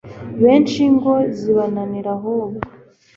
benshi ingo zibananira ahubwo